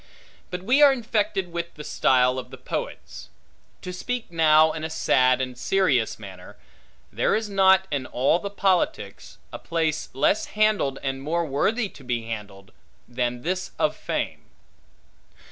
But we are infected with the style of the poets. To speak now in a sad and serious manner: There is not, in all the politics, a place less handled and more worthy to be handled, than this of fame.